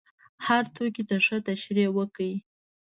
هر توکي ته ښه تشریح وکړه.